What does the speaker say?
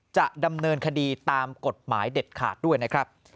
จะดำเนินคดีตามกฎหมายเด็ดขาดด้วยนะครับ